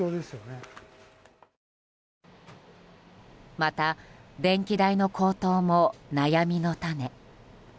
また、電気代の高騰も悩みの種。